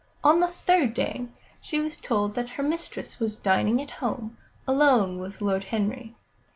On the third day, she was told that her mistress was dining at home, alone with Lord Henry.